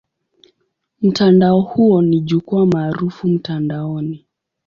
Mtandao huo ni jukwaa maarufu mtandaoni.